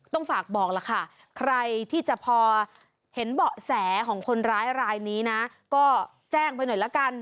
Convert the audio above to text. ต้องฝากบอกล่ะค่ะใครที่จะพอเห็นเบาะแสของคนร้ายรายนี้นะก็แจ้งไปหน่อยละกัน